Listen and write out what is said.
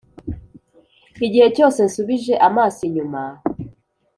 igihe cyose nsubije amaso inyuma